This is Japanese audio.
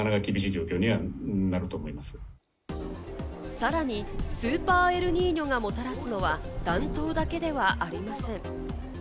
さらにスーパーエルニーニョがもたらすのは暖冬だけではありません。